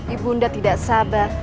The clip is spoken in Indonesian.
ibu nda tidak sabar